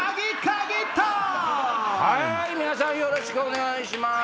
はい皆さんよろしくお願いします。